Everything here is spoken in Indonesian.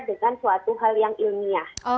dengan suatu hal yang ilmiah